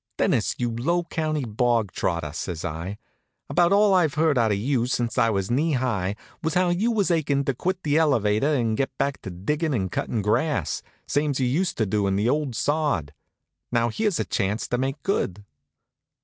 "Dennis, you low county bog trotter," says I, "about all I've heard out of you since I was knee high was how you was achin' to quit the elevator and get back to diggin' and cuttin' grass, same's you used to do on the old sod. Now here's a chance to make good."